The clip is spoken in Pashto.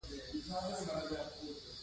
پکتیا د افغانانو ژوند اغېزمن کوي.